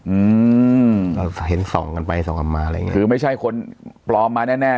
อืมเราเห็นส่องกันไปส่องกันมาอะไรอย่างเงี้คือไม่ใช่คนปลอมมาแน่แน่